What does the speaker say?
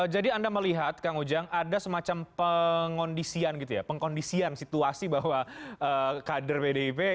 jadi anda melihat kang ujang ada semacam pengkondisian gitu ya pengkondisian situasi bahwa kader pdip